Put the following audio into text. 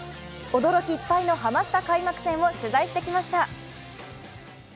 驚きいっぱいのハマスタ開幕戦を取材してきました。